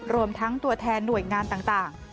รวมทั้งตัวแทนหน่วยงานต่าง